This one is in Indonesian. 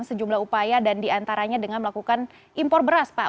sejumlah upaya dan diantaranya dengan melakukan impor beras pak